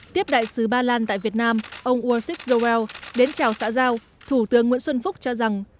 tiếp đại sứ ba lan tại việt nam ông ursus joel đến chào xã giao thủ tướng nguyễn xuân phúc cho rằng